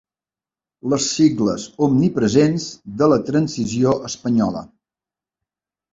Les sigles omnipresents de la transició espanyola.